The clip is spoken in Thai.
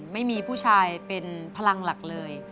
ไม่มีผู้ชายเป็นพลังหลักเลย